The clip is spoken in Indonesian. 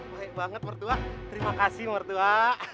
baik banget mertua terima kasih mertua